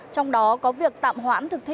trong đó có việc tạm hoãn thực thi